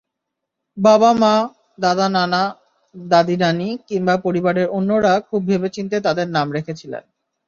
বাবা-মা, দাদা-নানা, দাদি-নানি কিংবা পরিবারের অন্যরা খুব ভেবেচিন্তে তাদের নাম রেখেছিলেন।